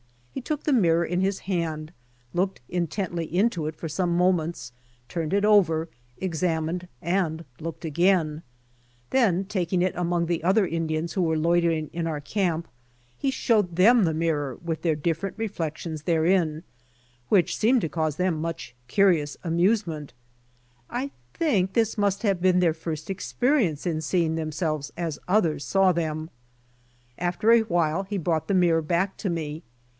He took the mirror in his hand, looked in tently into it for some moment's turned it over, ex amined and looked again. Then taking it among the other Indians who were loitering in our camp, he showed them the mirror with their different re flections therein, which seemed to cause them much curious amusement, I think this must have been their first experience in seeing themselves as others saw them^. After a while he brought the mirror back to me.